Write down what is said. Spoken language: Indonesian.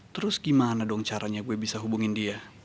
terus gimana dong caranya gue bisa hubungin dia